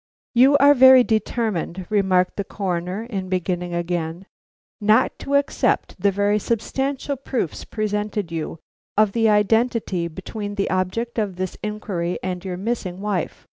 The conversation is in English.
"You are very determined," remarked the Coroner in beginning again, "not to accept the very substantial proofs presented you of the identity between the object of this inquiry and your missing wife.